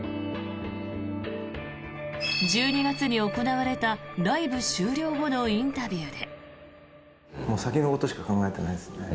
１２月に行われたライブ終了後のインタビューで。